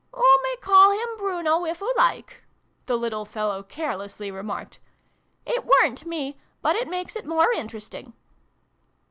" Oo may call him Bruno, if oo like," the little fellow carelessly remarked. " It weren't me, but it makes it more interesting."